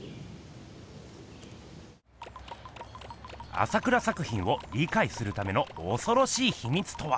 朝倉作品をりかいするためのおそろしいひみつとは。